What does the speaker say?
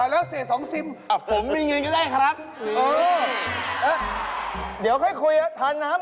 โฮ๊ยสภาพนี่น่าจะไปนอนคลุกกับฮิตคลับมา